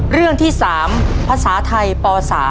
เรื่องที่๓ภาษาไทยป๓